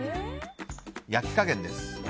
焼き加減です。